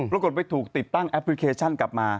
ปรากฏไปถูกติดตั้งแอปพลิเคชันกลับมา